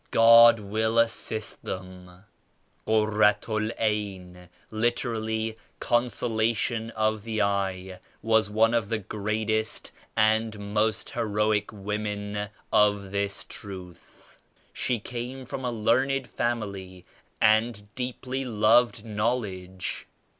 God will as sist them." "Kurratu T Ayn {literally 'consolation of the eye*) was one of the greatest and most heroic women of this Truth. She came from a learned family and deeply loved knowledge.